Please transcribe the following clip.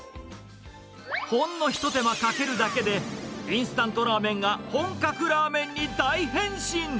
ほんの一手間かけるだけで、インスタントラーメンが本格ラーメンに大変身！